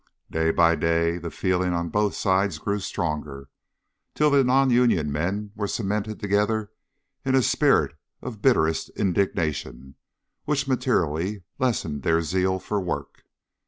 Day by day the feeling on both sides grew stronger, till the non union men were cemented together in a spirit of bitterest indignation, which materially lessened their zeal for work.